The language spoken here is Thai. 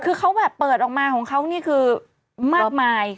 อ่ะคือแบบเปิดออกมาหัวเล่นมะเลยอางมากมาย